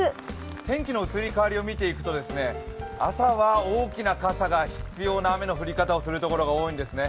天気の移り変わりを見ていくと、朝は大きな傘が必要な雨の降り方をするところが多そうですね。